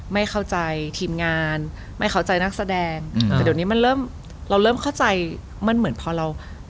ไม่เข้าใจทีมงานไม่เข้าใจนักแสดงอืมแต่เดี๋ยวนี้มันเริ่มเราเริ่มเข้าใจมันเหมือนพอเรา